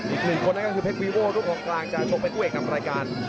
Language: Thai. อีก๑คนก็คือเพชรวีโวลูกของกลางจะโชคเป็นผู้เอกกับรายการ